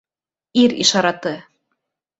Ир ишараты.